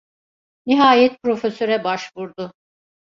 Nihayet profesöre başvurdu.